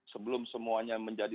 sebelum semuanya menjadi